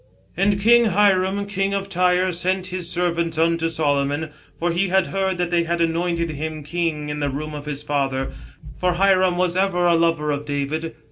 " And Hiram king of Tyre sent his servants unto Solomon ; for he had heard that they had anointed him king in the room of his father : for Hiram was ever a lover of David.